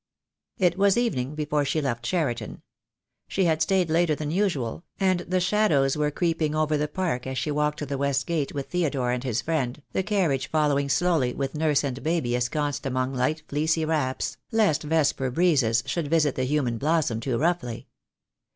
It was evening before she left Cheriton. She had stayed later than usual, and the shadows were creeping over the park as she walked to the west gate with Theodore and his friend, the carriage following slowly with nurse and baby esconced among light fleecy wraps, lest vesper breezes should visit that human blossom too roughly.